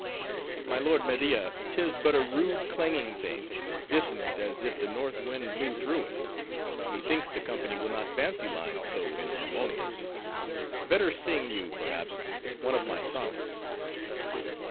"My lord Media, 'tis but a rude, clanging thing; dissonant as if the north wind blew through it. Methinks the company will not fancy lines so inharmonious. Better sing you, perhaps, one of my sonnets."